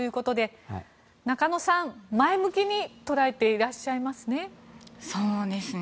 中野さん、前向きに捉えていらっしゃいますね。